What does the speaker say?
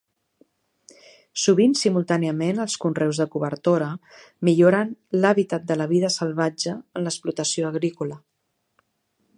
Sovint simultàniament els conreus de cobertora milloren l'hàbitat de la vida salvatge en l'explotació agrícola.